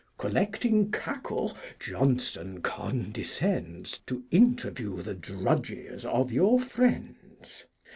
Collecting Cackle, Johnson condescends To interview the Drudges of your Friends.